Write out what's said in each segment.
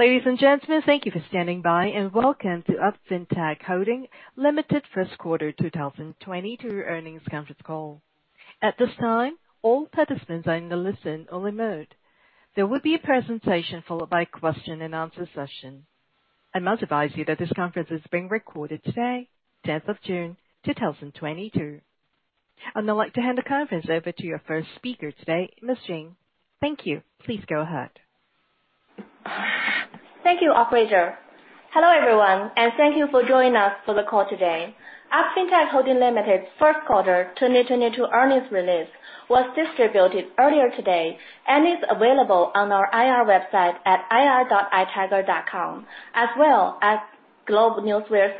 Ladies and gentlemen, thank you for standing by, and welcome to UP Fintech Holding Limited first quarter 2022 earnings conference call. At this time, all participants are in the listen-only mode. There will be a presentation followed by question and answer session. I must advise you that this conference is being recorded today, tenth of June, 2022. I'd now like to hand the conference over to your first speaker today, Aaron Li. Thank you. Please go ahead. Thank you, operator. Hello, everyone, and thank you for joining us for the call today. UP Fintech Holding Limited first quarter 2022 earnings release was distributed earlier today and is available on our IR website at ir.itigerup.com, as well as GlobeNewswire.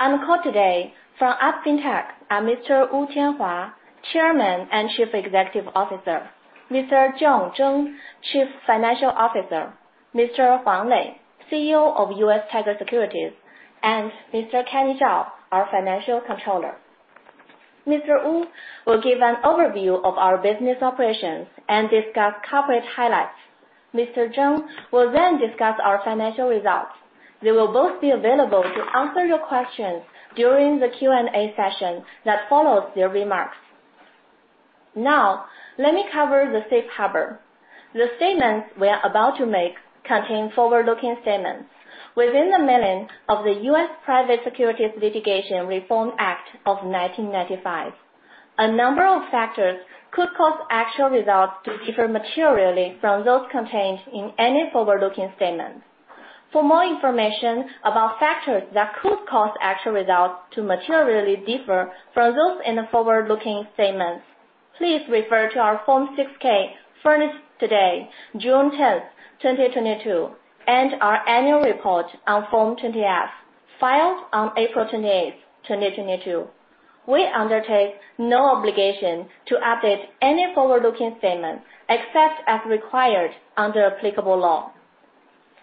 On the call today from UP Fintech are Mr. Wu Tianhua, Chairman and Chief Executive Officer, Mr. John Zeng, Chief Financial Officer, Mr. Huang Lei, CEO of US Tiger Securities, and Mr. Kenny Zhao, our Financial Controller. Mr. Wu will give an overview of our business operations and discuss corporate highlights. Mr. John Zeng will then discuss our financial results. They will both be available to answer your questions during the Q&A session that follows their remarks. Now, let me cover the safe harbor. The statements we are about to make contain forward-looking statements within the meaning of the U.S. Private Securities Litigation Reform Act of 1995. A number of factors could cause actual results to differ materially from those contained in any forward-looking statements. For more information about factors that could cause actual results to materially differ from those in the forward-looking statements, please refer to our Form 6-K furnished today, June 10, 2022, and our annual report on Form 20-F, filed on April 28, 2022. We undertake no obligation to update any forward-looking statement except as required under applicable law.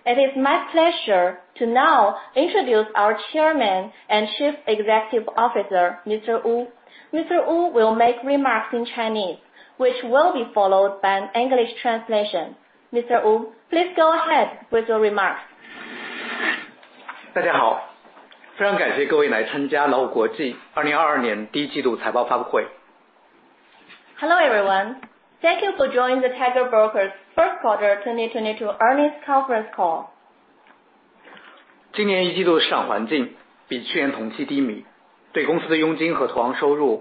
It is my pleasure to now introduce our Chairman and Chief Executive Officer, Mr. Wu. Mr. Wu will make remarks in Chinese, which will be followed by an English translation. Mr. Wu, please go ahead with your remarks. Hello, everyone. Thank you for joining the Tiger Brokers first quarter 2022 earnings conference call. Macro environment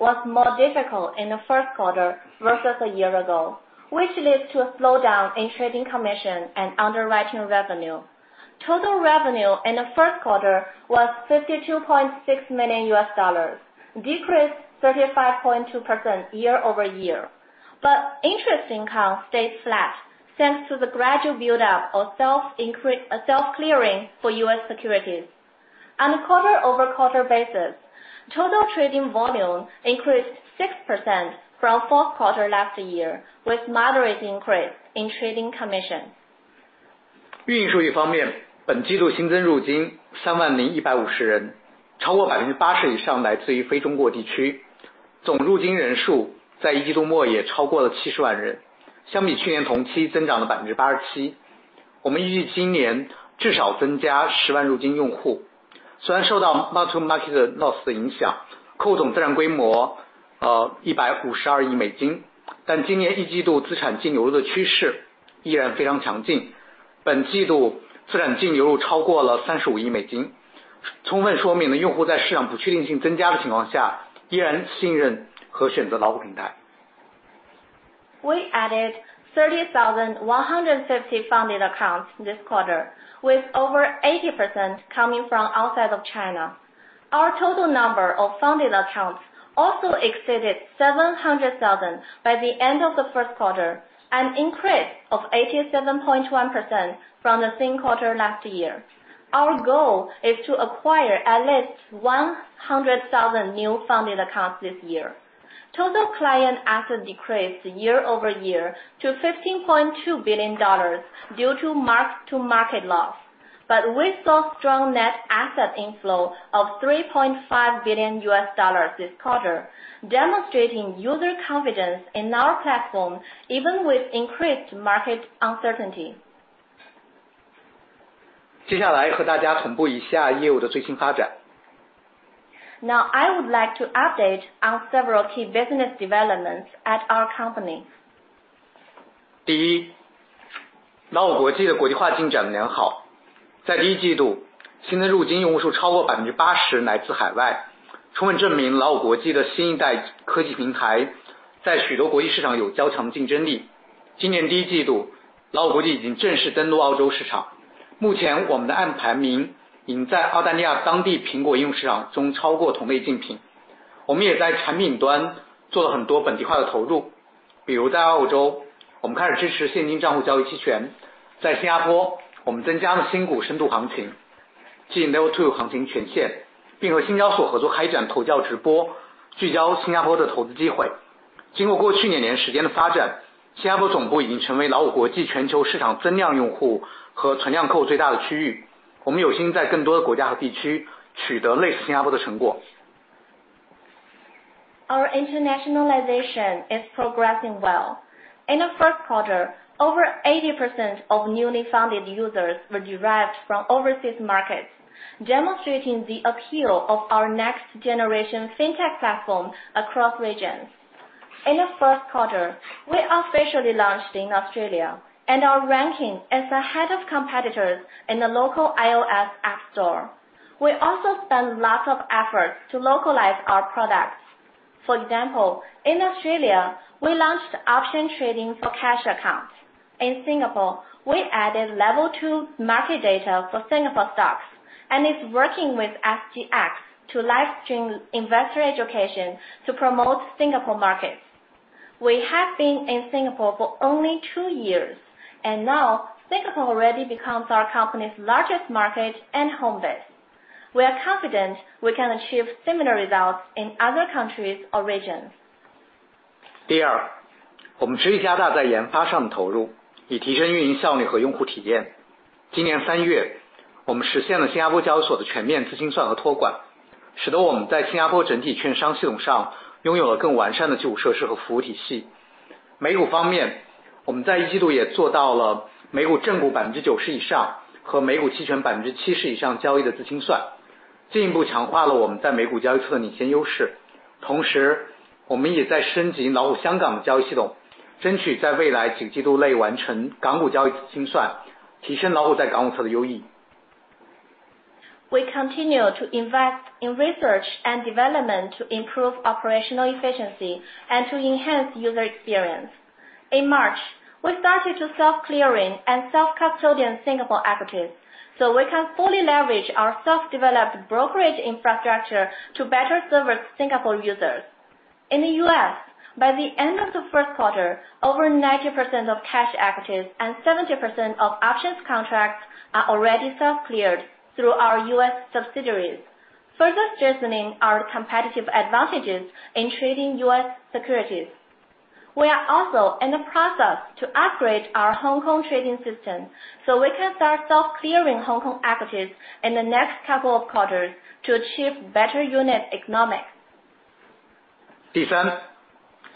was more difficult in the first quarter versus a year ago, which leads to a slowdown in trading commission and underwriting revenue. Total revenue in the first quarter was $52.6 million, decreased 35.2% year-over-year. Interest income stayed flat, thanks to the gradual build-up of self-clearing for U.S. securities. On a quarter-over-quarter basis, total trading volume increased 6% from fourth quarter last year, with moderate increase in trading commission. We added 30,150 funded accounts this quarter, with over 80% coming from outside of China. Our total number of funded accounts also exceeded 700,000 by the end of the first quarter, an increase of 87.1% from the same quarter last year. Our goal is to acquire at least 100,000 new funded accounts this year. Total client assets decreased year-over-year to $15.2 billion due to mark-to-market loss. We saw strong net asset inflow of $3.5 billion this quarter, demonstrating user confidence in our platform, even with increased market uncertainty. Now, I would like to update on several key business developments at our company. 进行Level Our internationalization is progressing well. In the first quarter, over 80% of newly funded users were derived from overseas markets, demonstrating the appeal of our next generation Fintech platform across regions. In the first quarter, we officially launched in Australia and are ranking ahead of competitors in the local iOS App Store. We also spend lots of efforts to localize our products. For example, in Australia, we launched option trading for cash accounts. In Singapore, we added Level 2 market data for Singapore stocks and is working with SGX to live stream investor education to promote Singapore markets. We have been in Singapore for only two years and now Singapore already becomes our company's largest market and home base. We are confident we can achieve similar results in other countries or regions. We continue to invest in research and development to improve operational efficiency and to enhance user experience. In March, we started to self-clearing and self-custodian Singapore equities, so we can fully leverage our self-developed brokerage infrastructure to better service Singapore users. In the U.S., by the end of the first quarter, over 90% of cash equities and 70% of options contracts are already self-cleared through our U.S. subsidiaries, further strengthening our competitive advantages in trading U.S. securities. We are also in the process to upgrade our Hong Kong trading system so we can start self-clearing Hong Kong equities in the next couple of quarters to achieve better unit economics.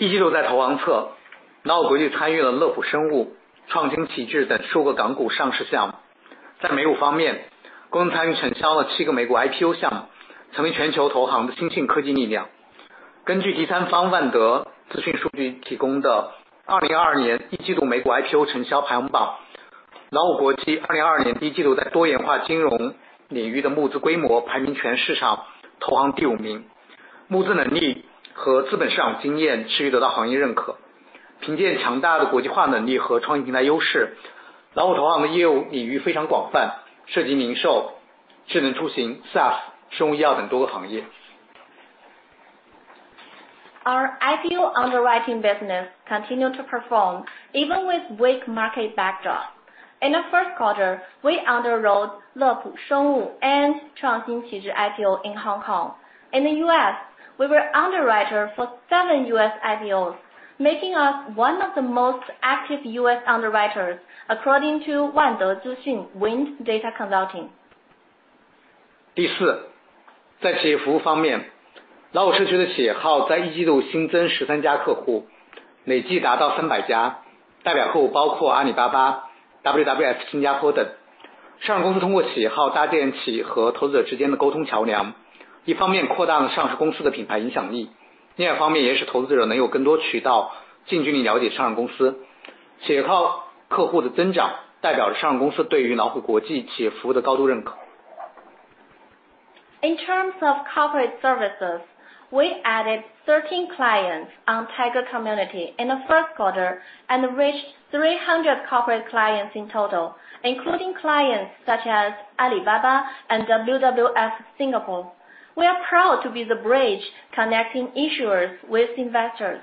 第三，一季度在投行侧，老虎国际参与了乐普生物、创新奇智等多个港股上市项目。在美股方面，共参与承销了七个美国IPO项目，成为全球投行的新兴科技力量。根据第三方万得资讯数据提供的2022年一季度美国IPO承销排行榜，老虎国际2022年第一季度在多元化金融领域的募资规模排名全市场投行第五名。募资能力和资本市场经验持续得到行业认可。凭借强大的国际化能力和创新平台优势，老虎投行的业务领域非常广泛，涉及零售、智能出行、SaaS、生物医药等多个行业。Our IPO underwriting business continued to perform even with weak market backdrop. In the first quarter, we underwrote 乐普生物 and 创新奇智 IPO in Hong Kong. In the U.S., we were underwriter for seven US IPOs, making us one of the most active U.S. underwriters, according to 万得资讯 Wind Information. 第四，在企业服务方面，Tiger Community的企业号在一季度新增十三家客户，累计达到三百家，代表客户包括阿里巴巴、WWF-Singapore等。上市公司通过企业号搭建起和投资者之间的沟通桥梁，一方面扩大了上市公司的品牌影响力，另一方面也使投资者能有更多渠道近距离了解上市公司。企业号客户的增长代表着上市公司对于老虎国际企业服务的高度认可。In terms of corporate services, we added 13 clients on Tiger Community in the first quarter and reached 300 corporate clients in total, including clients such as Alibaba and WWF-Singapore. We are proud to be the bridge connecting issuers with investors.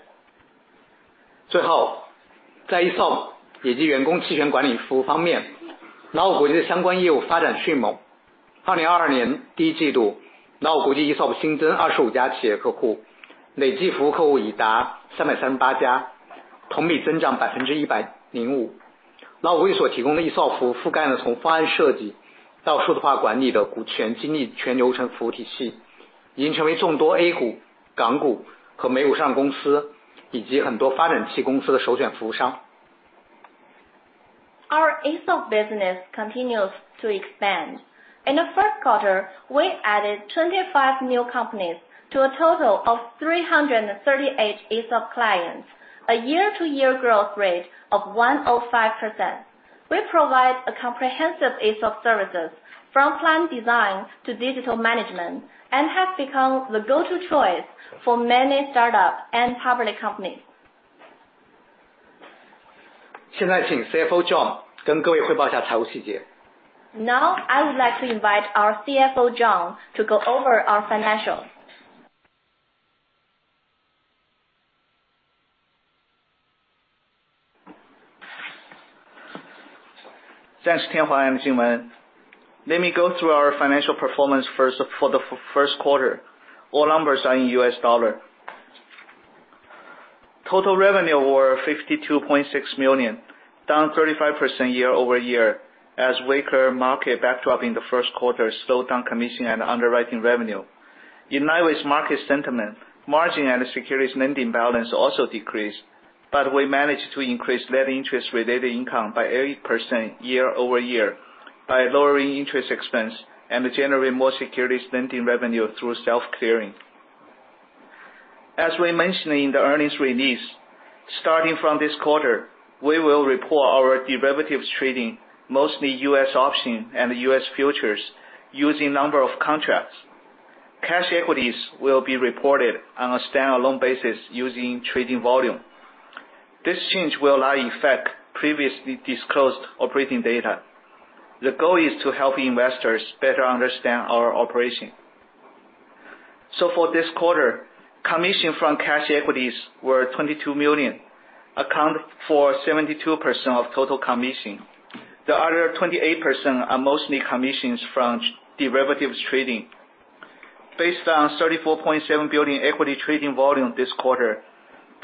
最后，在ESOP即员工期权管理服务方面，老虎国际相关业务发展迅猛。2022年第一季度，老虎国际ESOP新增25家企业客户，累计服务客户已达338家，同比增长105%。老虎所提供的ESOP服务覆盖了从方案设计到数字化管理的股权激励全流程服务体系，已经成为众多A股、港股和美股上市公司以及很多发展期公司的首选服务商。Our ESOP business continues to expand. In the first quarter, we added 25 new companies to a total of 338 ESOP clients, a year-to-year growth rate of 105%. We provide a comprehensive ESOP services from plan design to digital management, and has become the go-to choice for many startup and public companies. 现在请CFO John跟各位汇报一下财务细节。Now I would like to invite our CFO, John, to go over our financials. Thanks, Tianhua and Jingwen. Let me go through our financial performance first, for the first quarter. All numbers are in U.S. dollar. Total revenue were $52.6 million, down 35% year-over-year, as weaker market backdrop in the first quarter slowed down commission and underwriting revenue. In line with market sentiment, margin and securities lending balance also decreased, but we managed to increase net interest related income by 80% year-over-year, by lowering interest expense and to generate more securities lending revenue through self-clearing. As we mentioned in the earnings release, starting from this quarter, we will report our derivatives trading, mostly U.S. option and U.S. futures, using number of contracts. Cash equities will be reported on a stand-alone basis using trading volume. This change will not affect previously disclosed operating data. The goal is to help investors better understand our operation. For this quarter, commission from cash equities was $22 million, accounting for 72% of total commission. The other 28% are mostly commissions from derivatives trading. Based on 34.7 billion equity trading volume this quarter,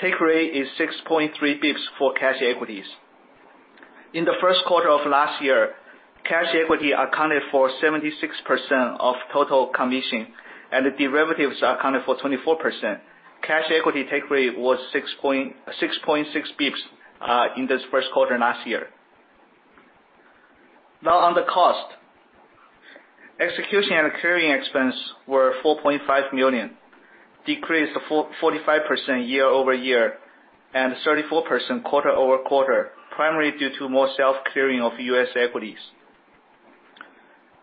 take rate is 6.3 basis points for cash equities. In the first quarter of last year, cash equity accounted for 76% of total commission, and the derivatives accounted for 24%. Cash equity take rate was 6.6 basis points in this first quarter last year. Now on the costs. Execution and clearing expense was $4.5 million, decreased by 45% year-over-year and 34% quarter-over-quarter, primarily due to more self-clearing of U.S. equities.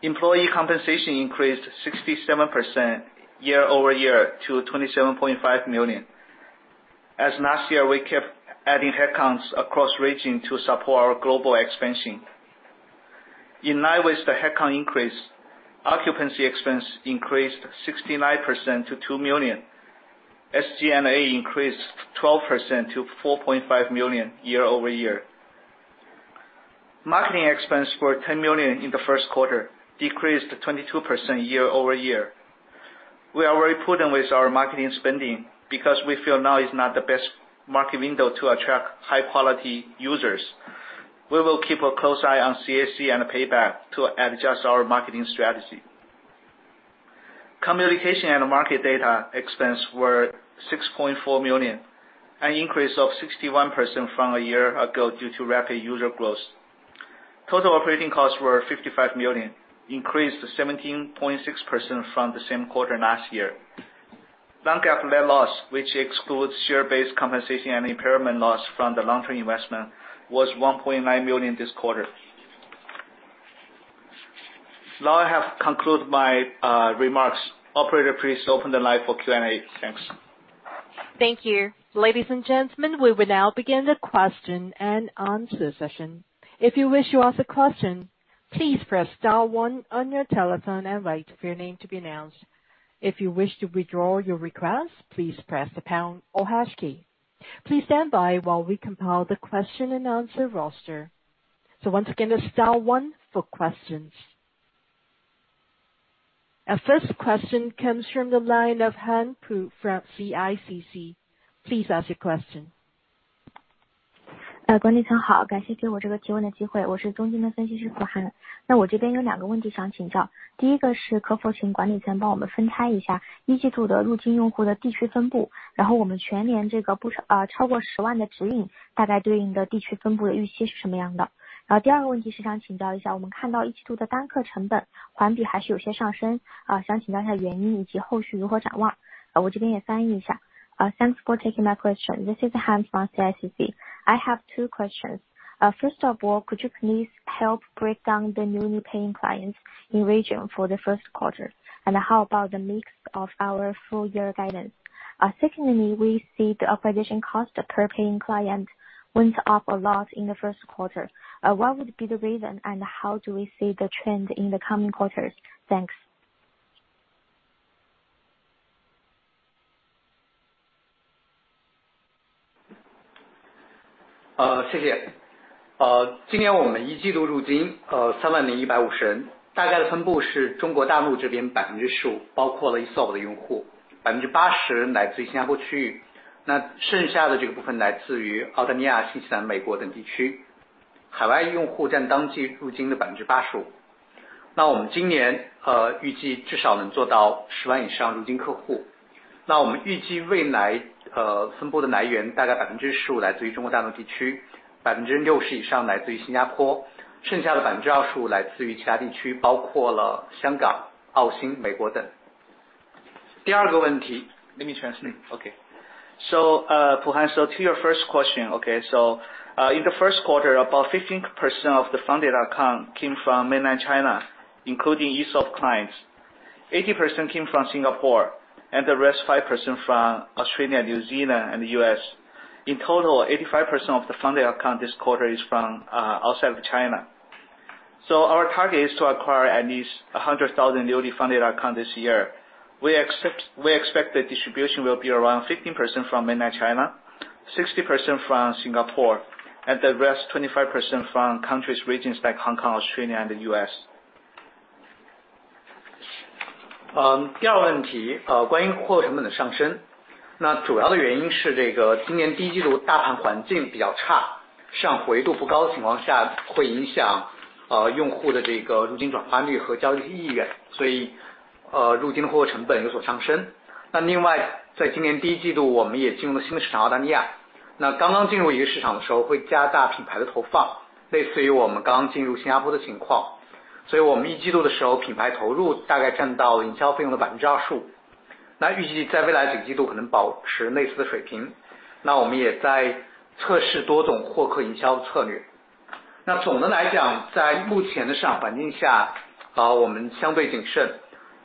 Employee compensation increased 67% year-over-year to $27.5 million. Last year, we kept adding headcounts across regions to support our global expansion. In line with the headcount increase, occupancy expense increased 69% to $2 million. SG&A increased 12% to $4.5 million year-over-year. Marketing expense for $10 million in the first quarter, decreased 22% year-over-year. We are very prudent with our marketing spending because we feel now is not the best market window to attract high quality users. We will keep a close eye on CAC and payback to adjust our marketing strategy. Communication and market data expense were $6.4 million, an increase of 61% from a year ago due to rapid user growth. Total operating costs were $55 million, increased 17.6% from the same quarter last year. Non-GAAP net loss, which excludes share-based compensation and impairment loss from the long-term investment, was $1.9 million this quarter. Now, I have concluded my remarks. Operator, please open the line for Q&A. Thanks. Thank you. Ladies and gentlemen, we will now begin the question and answer session. If you wish to ask a question, please press star one on your telephone and wait for your name to be announced. If you wish to withdraw your request, please press the pound or hash key. Please stand by while we compile the question and answer roster. Once again, it's star one for questions. Our first question comes from the line of Pu Han from CICC. Please ask your question. Thanks for taking my question. This is Han from CICC. I have two questions. First of all, could you please help break down the newly paying clients in region for the first quarter? And how about the mix of our full year guidance? Secondly, we see the acquisition cost per paying client went up a lot in the first quarter. What would be the reason and how do we see the trend in the coming quarters? Thanks. Pu Han, to your first question, in the first quarter, about 15% of the funded account came from Mainland China, including ESOP clients. 80% came from Singapore, and the rest 5% from Australia, New Zealand and the U.S. In total, 85% of the funded account this quarter is from outside of China. Our target is to acquire at least 100,000 newly funded account this year. We expect the distribution will be around 15% from Mainland China, 60% from Singapore, and the rest 25% from countries regions like Hong Kong, Australia and the U.S.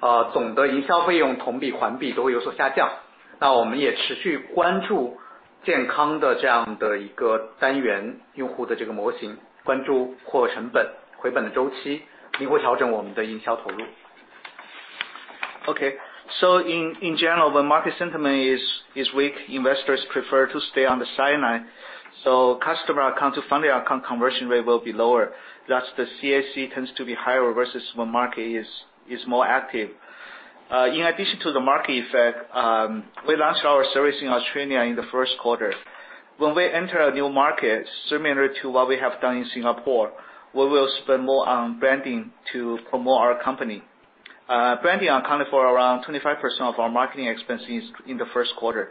In general, when market sentiment is weak, investors prefer to stay on the sidelines, so customer account to funding account conversion rate will be lower. Thus the CAC tends to be higher versus when market is more active. In addition to the market effect, we launched our service in Australia in the first quarter. When we enter a new market similar to what we have done in Singapore, we will spend more on branding to promote our company. Branding accounted for around 25% of our marketing expenses in the first quarter.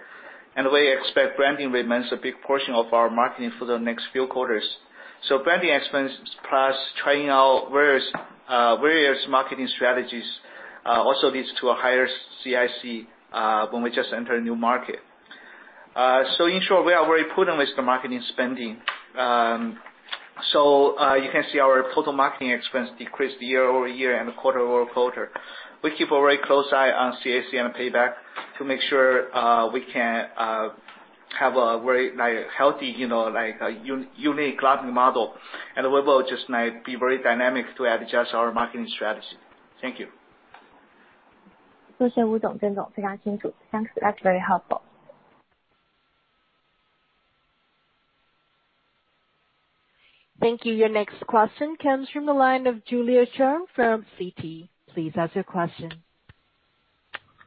We expect branding remains a big portion of our marketing for the next few quarters. Branding expense plus trying out various marketing strategies also leads to a higher CAC when we just enter a new market. In short, we are very prudent with the marketing spending. You can see our total marketing expense decreased year-over-year and quarter-over-quarter. We keep a very close eye on CAC and payback to make sure we can have a very like healthy, you know, like a unique logging model. We will just like be very dynamic to adjust our marketing strategy. Thank you. 谢谢吴总、郑总，非常清楚。Thanks, that's very helpful. Thank you. Your next question comes from the line of Julia Cheong from Citi. Please ask your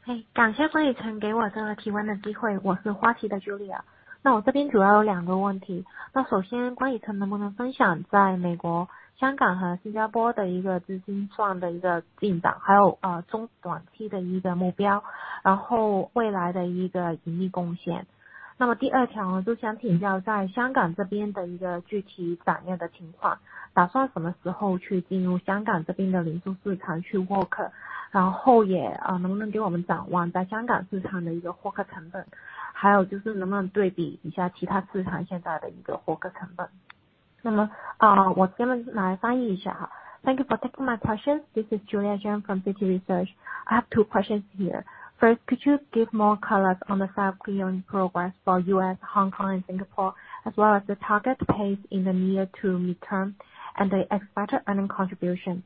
question. 感谢管理层给我这个提问的机会，我是花旗的Julia。那我这边主要有两个问题。那首先管理层能不能分享在美国、香港和新加坡的一个资金创的一个进展，还有呃，中短期的一个目标，然后未来的一个盈利贡献。那么第二条呢，就想请教在香港这边的一个具体战略的情况，打算什么时候去进入香港这边的零售市场去获客，然后也，呃，能不能给我们展望在香港市场的一个获客成本，还有就是能不能对比一下其他市场现在的一个获客成本。那么，呃，我这边来翻译一下。Thank you for taking my question, this is Julia Cheung from Citi Research. I have two questions here. First, could you give more color on the self-clearing progress for U.S., Hong Kong and Singapore as well as the target pace in the near to midterm and the expected earning contribution?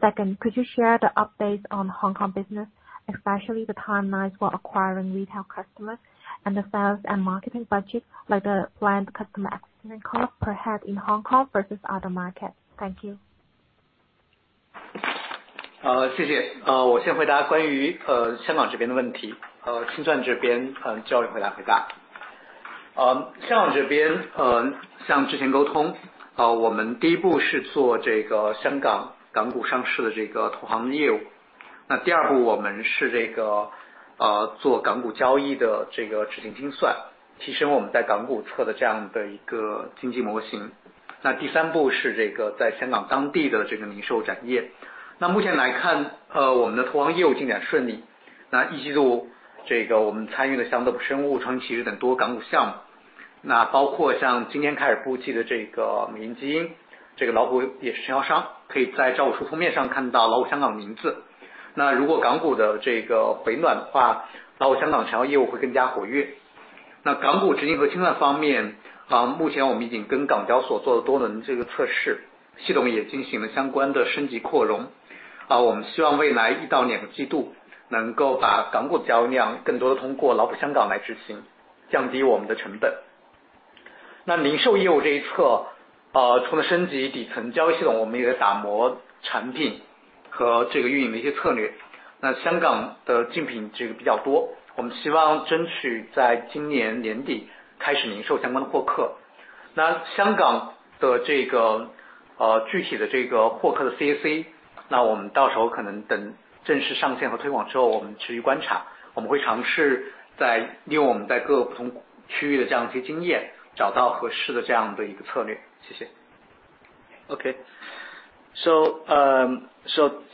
Second, could you share the updates on Hong Kong business, especially the timelines for acquiring retail customers and the sales and marketing budget, like the client customer acquisition cost per head in Hong Kong versus other markets? Thank you.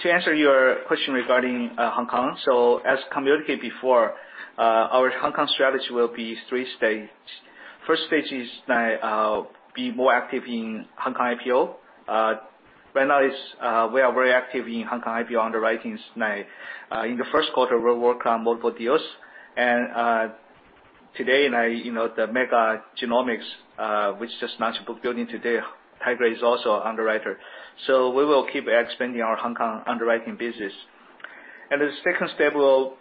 To answer your question regarding Hong Kong, as communicated before, our Hong Kong strategy will be three stage. First stage is be more active in Hong Kong IPO. Right now we are very active in Hong Kong IPO underwriting. Like in the first quarter we worked on multiple deals, and you know, the Mega Genomics, which just listed today, Tiger is also underwriter. We will keep expanding our Hong Kong underwriting business. The second step will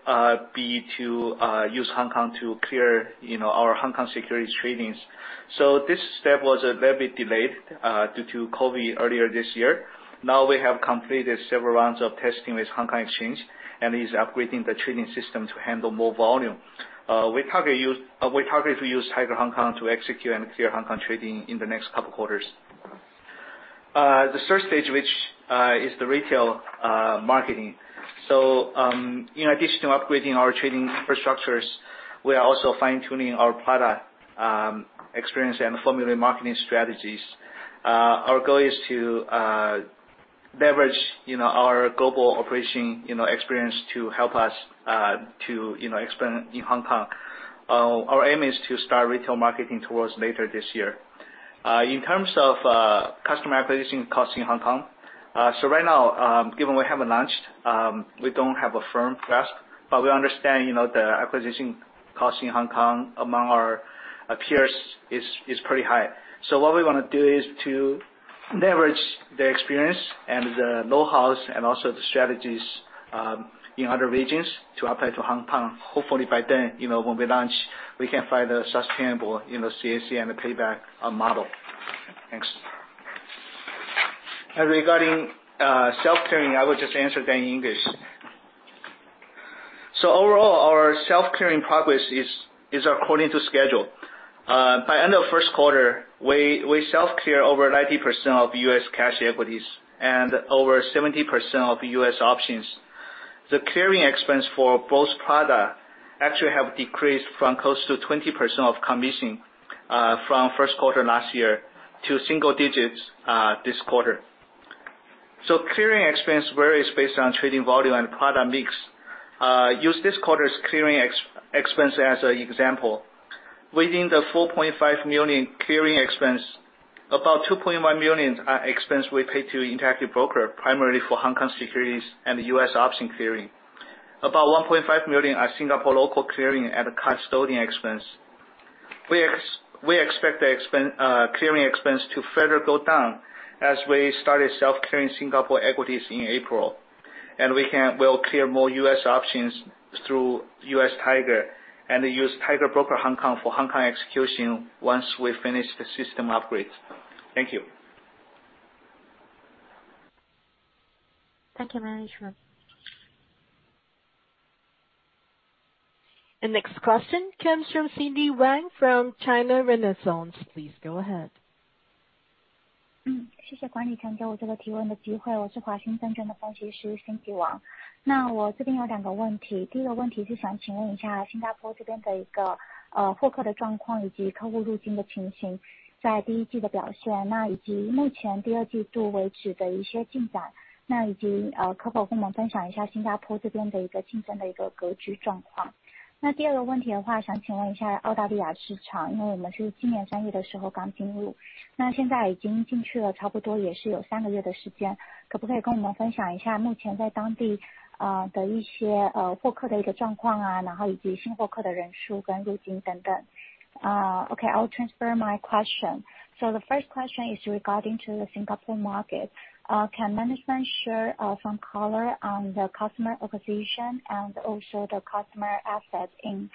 be to use Hong Kong to clear, you know, our Hong Kong securities trading. This step was very delayed due to COVID earlier this year. Now we have completed several rounds of testing with Hong Kong Exchange, and we are upgrading the trading system to handle more volume. We target to use Tiger Hong Kong to execute and clear Hong Kong trading in the next couple quarters. The third stage, which is the retail marketing. In addition to upgrading our trading infrastructures, we are also fine-tuning our product experience and formulating marketing strategies. Our goal is to leverage, you know, our global operation, you know, experience to help us to, you know, expand in Hong Kong. Our aim is to start retail marketing towards later this year. In terms of customer acquisition costs in Hong Kong. Right now, given we haven't launched, we don't have a firm grasp, but we understand, you know, the acquisition cost in Hong Kong among our peers is pretty high. What we wanna do is to leverage the experience and the know-hows and also the strategies in other regions to apply to Hong Kong. Hopefully by then when we launch we can find a sustainable CAC and a payback model. Thanks. Regarding self-clearing I would just answer that in English. Overall our self-clearing progress is according to schedule. By end of first quarter we self-clear over 90% of US cash equities and over 70% of US options. The clearing expense for both product actually have decreased from close to 20% of commission from first quarter last year to single digits this quarter. Clearing expense varies based on trading volume and product mix. Use this quarter's clearing expense as an example. Within the $4.5 million clearing expense, about $2.1 million are expenses we pay to Interactive Brokers, primarily for Hong Kong securities and U.S. option clearing. About $1.5 million are Singapore local clearing at a custodian expense. We expect the clearing expense to further go down as we started self-clearing Singapore equities in April. We'll clear more U.S. options through U.S. Tiger and use Tiger Brokers (HK) for Hong Kong execution once we finish the system upgrade. Thank you. Thank you, management. The next question comes from Cindy Wang from China Renaissance. Please go ahead. Okay, I'll transfer my question. The first question is regarding to the Singapore market. Can management share some color on the customer acquisition and also the customer assets in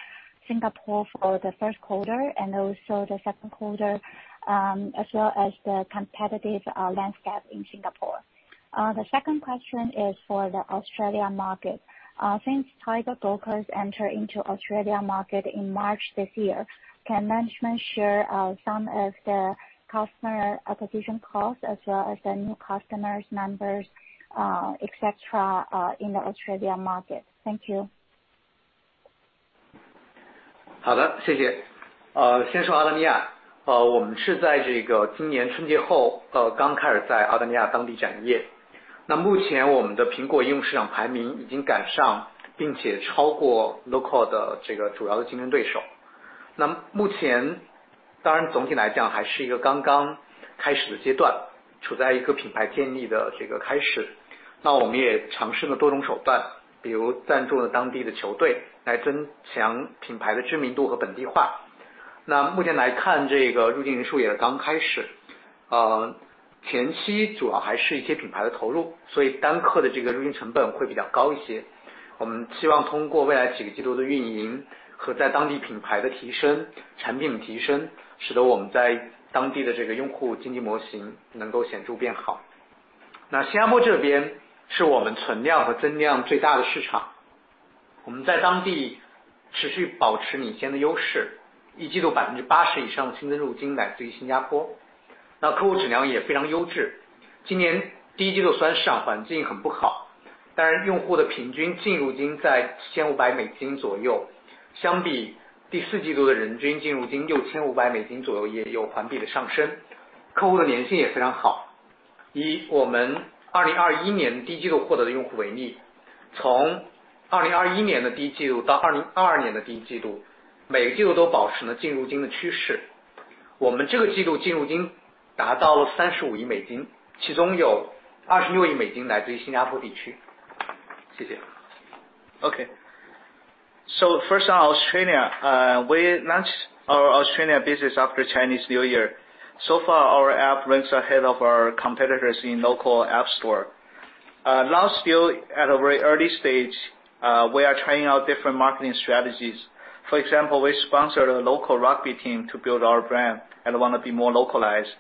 Singapore for the first quarter and also the second quarter, as well as the competitive landscape in Singapore? The second question is for the Australia market. Since Tiger Brokers enter into Australia market in March this year, can management share some of the customer acquisition costs as well as the new customers numbers, et cetera, in the Australia market? Thank you. Okay. First on Australia, we launched our Australian business after Chinese New Year. So far our app ranks ahead of our competitors in local App Store. Last year, at a very early stage, we are trying out different marketing strategies. For example, we sponsored a local rugby team to build our brand and wanna be more localized.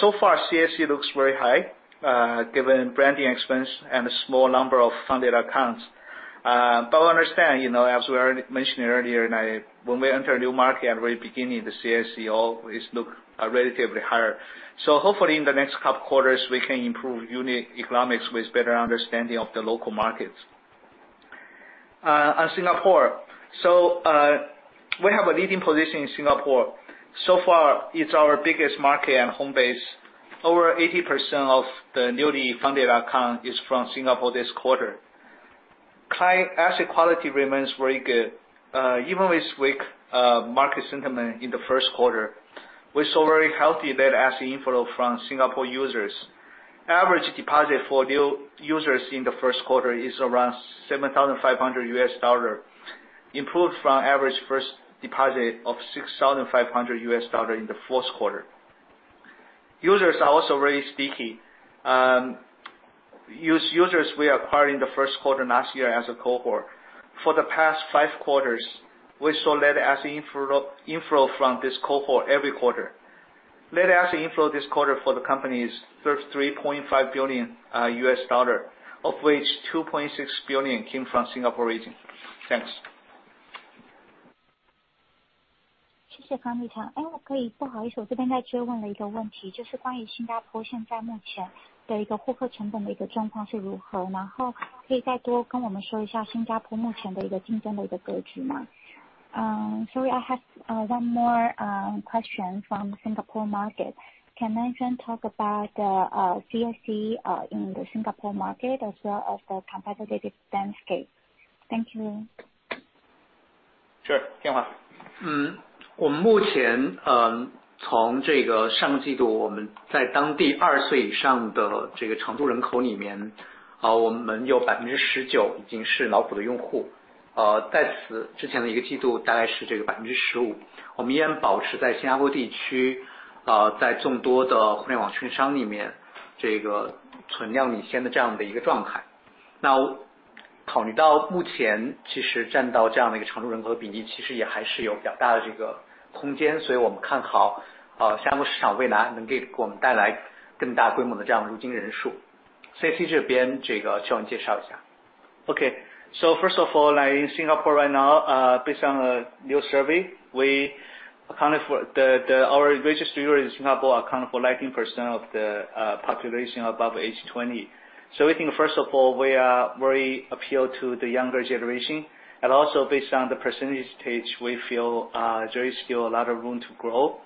So far CAC looks very high, given branding expense and the small number of funded accounts. But understand, you know, as we already mentioned earlier tonight, when we enter a new market at the very beginning, the CAC always look relatively higher. Hopefully in the next couple quarters we can improve unit economics with better understanding of the local markets. On Singapore. We have a leading position in Singapore. So far, it's our biggest market and home base. Over 80% of the newly funded accounts are from Singapore this quarter. Client asset quality remains very good. Even with weak market sentiment in the first quarter, we saw very healthy net asset inflow from Singapore users. Average deposit for new users in the first quarter is around $7,500, improved from average first deposit of $6,500 in the fourth quarter. Users are also very sticky. US users we acquired in the first quarter last year as a cohort, for the past five quarters, we saw net asset inflow from this cohort every quarter. Net asset inflow this quarter for the company is $33.5 billion, of which $2.6 billion came from Singapore region. Thanks. Sorry, I have one more question from Singapore market. Can management talk about the CAC in the Singapore market, as well as the competitive landscape? Thank you. Sure. Tianhua. Okay. First of all, like in Singapore right now, based on a new survey, our registered users in Singapore account for 19% of the population above age 20. I think first of all, we are very appealing to the younger generation. Also based on the penetration stage, we feel there is still a lot of room to grow.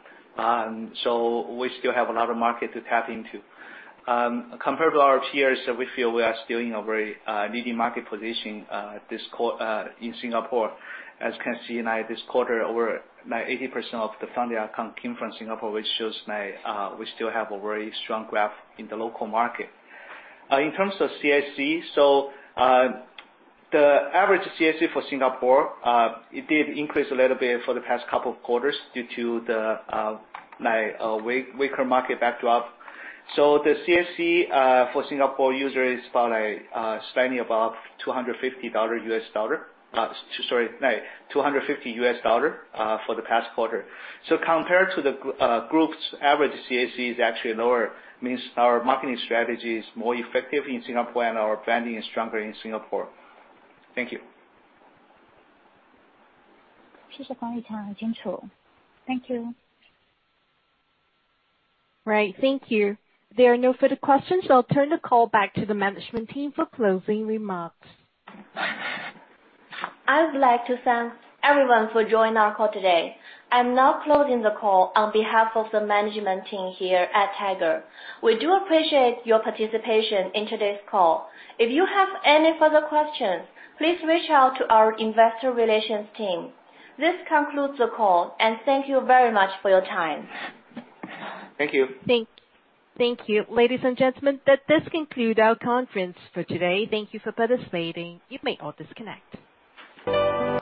We still have a lot of market to tap into. Compared to our peers, we feel we are still in a very leading market position in Singapore. As you can see tonight, this quarter over 80% of the funded accounts came from Singapore, which shows that we still have a very strong grasp in the local market. In terms of CAC. The average CAC for Singapore it did increase a little bit for the past couple of quarters due to the like weaker market backdrop. The CAC for Singapore user is about spending about $250. Sorry, like $250 for the past quarter. Compared to the group's average CAC is actually lower, means our marketing strategy is more effective in Singapore and our branding is stronger in Singapore. Thank you. Thank you. Right. Thank you. There are no further questions. I'll turn the call back to the management team for closing remarks. I would like to thank everyone for joining our call today. I'm now closing the call on behalf of the management team here at Tiger. We do appreciate your participation in today's call. If you have any further questions, please reach out to our investor relations team. This concludes the call, and thank you very much for your time. Thank you. Thank you. Ladies and gentlemen, this concludes our conference for today. Thank you for participating. You may all disconnect.